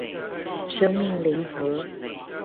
生命零和